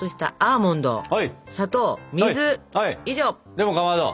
でもかまど。